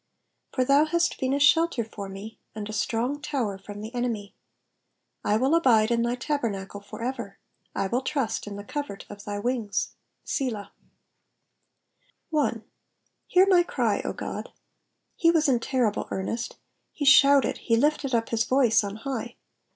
3 For thou hast been a shelter for me, and a strong tower from the enemy. 4 I will abide in thy tabernacle for ever : I will trust in the covert of thy wings. Selah. 1. ^^Hear my ay, 0 God.'''* He was in terrible earnest; he shouted, he lifted up his voice on high.